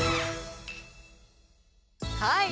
はい。